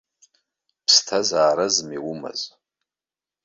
Ԥсҭазааразма иумаз?